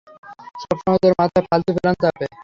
সবসময় তোর মাথায় ফালতু প্ল্যান চাপে।